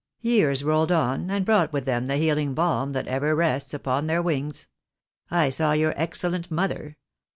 Years rolled on, and brought with them the healing balm that ever rests upon their wings. I saw your excellent mother.